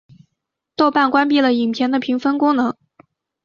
豆瓣关闭了影片的评分功能。